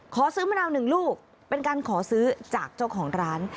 ซื้อมะนาวหนึ่งลูกเป็นการขอซื้อจากเจ้าของร้าน